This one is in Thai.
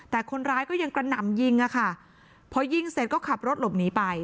แต่คนร้ายก็ยังกระหน่ำยิงอ่ะค่ะพอยิงเสร็จก็ขับรถหลบหนีไป